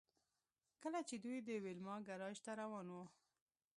کله چې دوی د ویلما ګراج ته روان وو